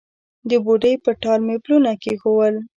د بوډۍ پر ټال مې پلونه کښېښول